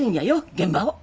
現場を。